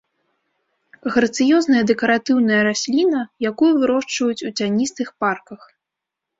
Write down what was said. Грацыёзная дэкаратыўная расліна, якую вырошчваюць у цяністых парках.